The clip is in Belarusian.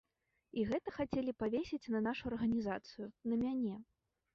І гэта хацелі павесіць на нашу арганізацыю, на мяне.